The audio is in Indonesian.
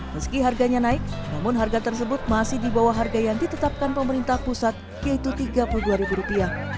meski harganya naik namun harga tersebut masih di bawah harga yang ditetapkan pemerintah pusat yaitu rp tiga puluh dua